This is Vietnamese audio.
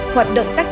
hoạt động tác giả